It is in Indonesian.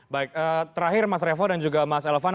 baik terakhir mas revo dan juga mas elvan